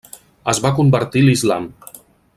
Es va convertir l'Islam.